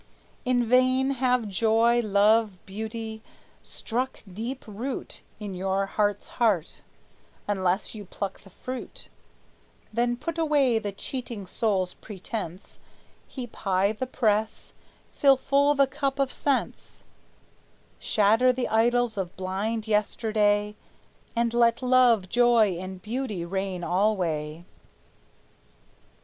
In vain have joy, love, beauty, struck deep root In your heart's heart, unless you pluck the fruit; Then put away the cheating soul's pretense, Heap high the press, fill full the cup of sense; Shatter the idols of blind yesterday, And let love, joy, and beauty reign alway!"